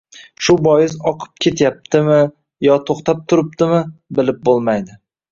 Shu bois, oqib ketyaptimi yo to‘xtab turibdimi — bilib bo‘lmadi.